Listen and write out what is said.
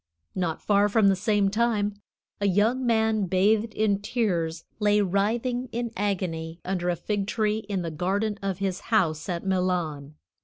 Not far from the same time, a young man bathed in tears lay writhing in agony under a fig tree in the garden of his house at Milan.